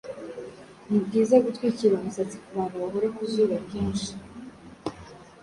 ni byiza gutwikira umusatsi ku bantu bahora ku zuba kenshi.